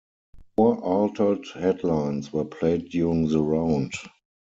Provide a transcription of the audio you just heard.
Four altered headlines were played during the round.